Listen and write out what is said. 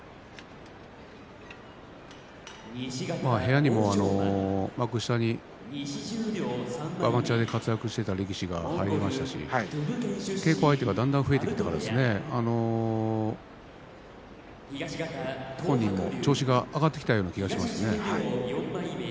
部屋にも幕下にアマチュアで活躍していた力士がいますし、稽古相手がだんだん増えてきてから本人も調子が上がってきたような気がしますね。